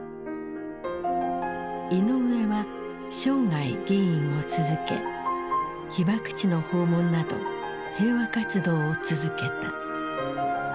イノウエは生涯議員を続け被爆地の訪問など平和活動を続けた。